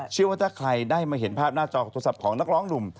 เชื่อว่าถ้าใครได้มาเห็นภาพหน้าจอกับโทรศัพท์ของนักร้องหนุ่ม